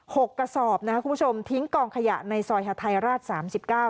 กระสอบนะคะคุณผู้ชมทิ้งกองขยะในซอยหาทัยราชสามสิบเก้า